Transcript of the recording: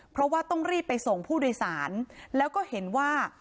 เพราะว่าต้องรีบไปส่งผู้โดยสารแล้วก็เห็นว่า